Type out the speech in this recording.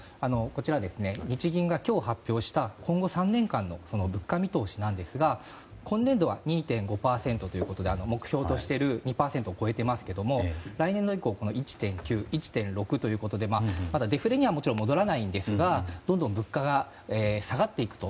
日銀が今日発表した今後３年間の物価見通しですが今年度は２．５％ということで目標としている２％を超えていますけど来年度以降１．９、１．６ということでまだデフレには戻らないですがどんどん物価が下がっていくと。